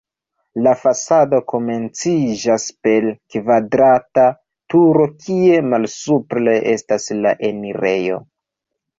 La fasado komenciĝas per kvadrata turo, kie malsupre estas la enirejo.